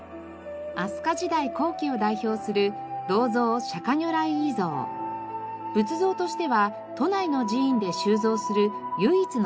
飛鳥時代後期を代表する仏像としては都内の寺院で収蔵する唯一の国宝です。